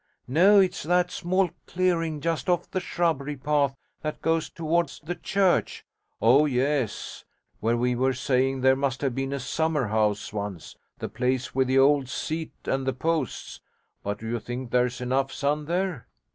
No, it's that small clearing just off the shrubbery path that goes towards the church.' 'Oh yes, where we were saying there must have been a summer house once: the place with the old seat and the posts. But do you think there's enough sun there?'